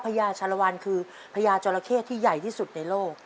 พญาชาลวันคือพญาจราเข้ที่ใหญ่ที่สุดในโลก